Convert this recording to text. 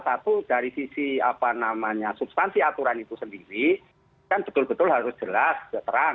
satu dari sisi substansi aturan itu sendiri kan betul betul harus jelas jeteran